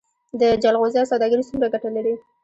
د جلغوزیو سوداګري څومره ګټه لري؟